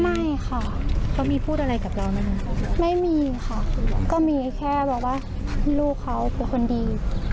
ไม่ค่ะเขามีพูดอะไรกับเราไหมคะไม่มีค่ะก็มีแค่บอกว่าลูกเขาเป็นคนดี